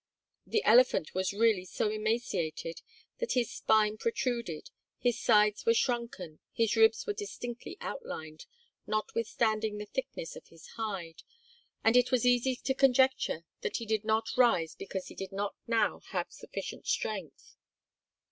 The elephant was really so emaciated that his spine protruded, his sides were shrunken, his ribs were distinctly outlined notwithstanding the thickness of his hide, and it was easy to conjecture that he did not rise because he did not now have sufficient strength.